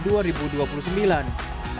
tim liputan cnn indonesia jakarta